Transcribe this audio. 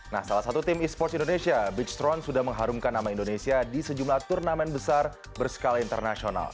nah salah satu tim e sports indonesia beachtron sudah mengharumkan nama indonesia di sejumlah turnamen besar berskala internasional